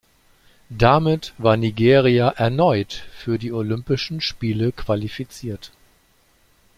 Damit war Nigeria erneut für die Olympischen Spiele qualifiziert.